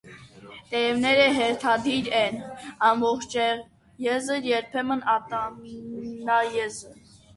Տերևները հերթադիր են, ամբողջաեզր, երբեմն՝ ատամնաեզր։